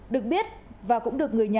được biết và cũng được người nhà giấy